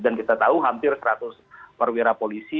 dan kita tahu hampir seratus perwira polisi